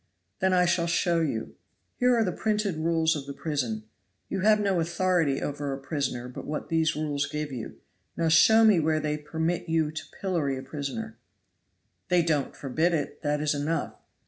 "Then I shall show you. Here are the printed rules of the prison; you have no authority over a prisoner but what these rules give you. Now show me where they permit you to pillory a prisoner?" "They don't forbid it, that is enough."